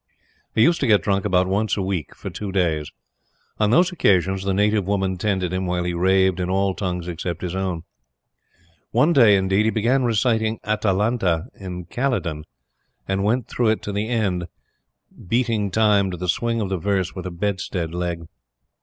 He used to get drunk about once a week for two days. On those occasions the native woman tended him while he raved in all tongues except his own. One day, indeed, he began reciting Atalanta in Calydon, and went through it to the end, beating time to the swing of the verse with a bedstead leg.